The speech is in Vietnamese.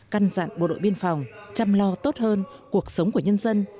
căn dặn bộ đội biên phòng chăm lo tốt hơn cuộc sống của nhân dân